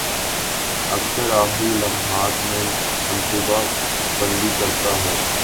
اکثر آخری لمحات میں منصوبہ بندی کرتا ہوں